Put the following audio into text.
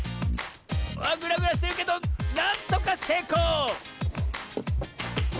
あっグラグラしてるけどなんとかせいこう！